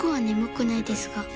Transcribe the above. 眠くないですか？